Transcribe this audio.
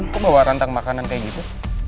aku bawa rantang makanan kayak gitu